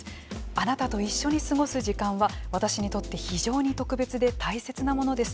あなたと一緒に過ごす時間は私にとって非常に特別で大切なものです。